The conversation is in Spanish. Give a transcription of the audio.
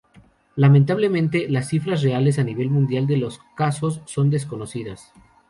Lamentablemente, las cifras reales, a nivel mundial, de los casos son desconocidas.